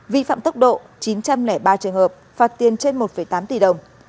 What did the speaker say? vi phạm tốc độ chín trăm linh ba trường hợp phạt tiền trên một tám tỷ đồng